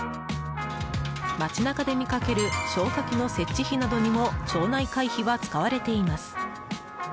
街中で見かける消火器の設置費などにも町内会費は使われています。